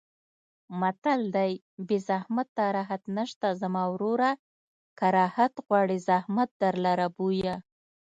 متل دی: بې زحمته راحت نشته زما وروره که راحت غواړې زحمت درلره بویه.